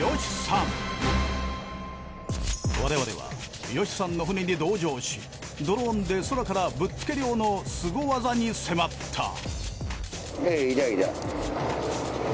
我々はヨシさんの船に同乗しドローンで空からぶっつけ漁のスゴ技に迫った。